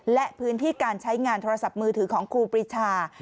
และพื้นที่การใช้งานโทรศัพท์มือถือของครูปรีชา